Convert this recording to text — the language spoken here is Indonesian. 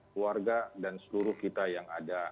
keluarga dan seluruh kita yang ada